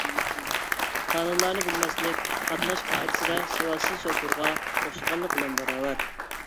قانۇنلارنى بىلمەسلىك قاتناش قائىدىسىدە ساۋاتسىز شوپۇرغا ئوخشىغانلىق بىلەن باراۋەر.